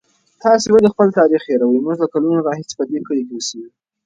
تاسې ولې خپل تاریخ هېروئ؟ موږ له کلونو راهیسې په دې کلي کې اوسېږو.